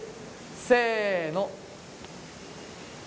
せの。